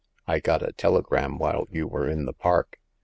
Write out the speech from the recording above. " I got a telegram while you were in the park.